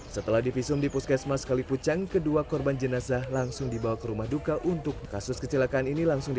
setelah divisum di puskesma sekalipucang kedua korban jenazah langsung dihubungi